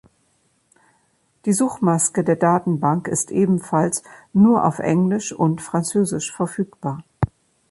Die Suchmaske der Datenbank ist ebenfalls nur auf Englisch und Französisch verfügbar.